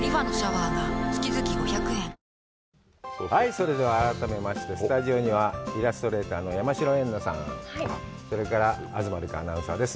それでは、改めましてスタジオにはイラストレーターのそれから東留伽アナウンサーです。